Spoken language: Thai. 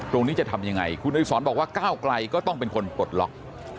ตรงนี้จะทำยังไงคุณอริสรบอกว่าก้าวไกลก็ต้องเป็นคนปลดล็อก